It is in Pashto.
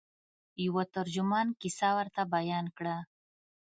یوه ترجمان کیسه ورته بیان کړه.